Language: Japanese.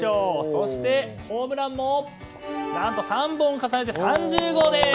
そしてホームランも何と、３本重ねて３０号です！